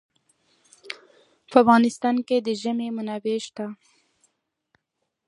په افغانستان کې د ژمی منابع شته.